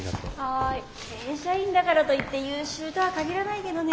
正社員だからといって優秀とは限らないけどね。